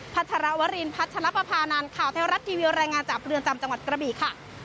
พัชรวรินพัชรปภานันข่าวเทวรัฐทีวีรายงานจากเรือนจำจังหวัดกระบีค่ะ